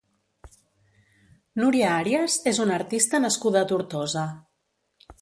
Núria Arias és una artista nascuda a Tortosa.